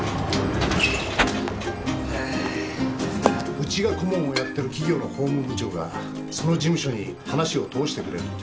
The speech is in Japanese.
ウチが顧問をやってる企業の法務部長がその事務所に話を通してくれるって言うんだ。